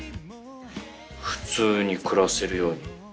普通に暮らせるように。